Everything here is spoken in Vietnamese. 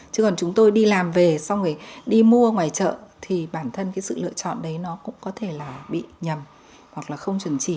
chứ còn chúng tôi đi làm về xong rồi đi mua ngoài chợ thì bản thân cái sự lựa chọn đấy nó cũng có thể là bị nhầm hoặc là không chừng chỉ